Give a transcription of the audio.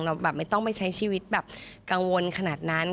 แบบไม่ต้องไปใช้ชีวิตแบบกังวลขนาดนั้น